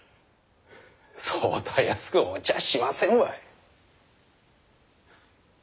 そうたやすく落ちやしませんわい。